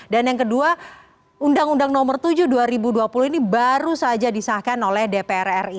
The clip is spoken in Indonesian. dan yang kedua undang undang nomor tujuh dua ribu dua puluh ini baru saja disahkan oleh dpr ri